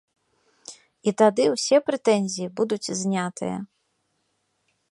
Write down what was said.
І тады ўсе прэтэнзіі будуць знятыя.